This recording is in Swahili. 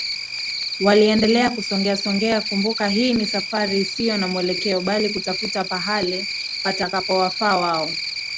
Waliendelea kusogeasogea kumbuka hii ni safari isiyo na Mwelekeo bali kutafuta pahala patakapowafaa wao